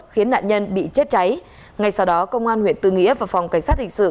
khiến nạn nhân bị chết cháy ngay sau đó công an huyện tư nghĩa và phòng cảnh sát hình sự